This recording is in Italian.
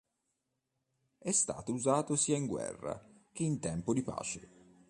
È stato usato sia in guerra che in tempo di pace.